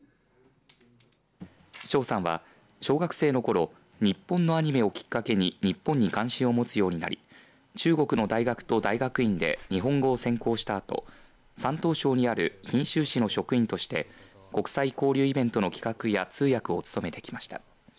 ショウさんは小学生のころ日本のアニメをきっかけに日本に関心を持つようになり中国の大学と大学院で、日本語を専攻したあと山東省にある濱州市の職員として国際交流員イベントの企画や通訳を務めてきました。